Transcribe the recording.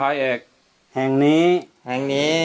ข้าพเจ้านางสาวสุภัณฑ์หลาโภ